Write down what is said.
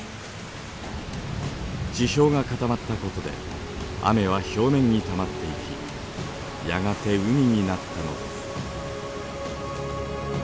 地表が固まったことで雨は表面にたまっていきやがて海になったのです。